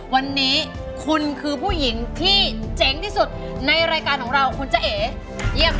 วันนี้คุณคือผู้หญิงที่เจ๋งที่สุดในรายการของเราคุณจ้าเอ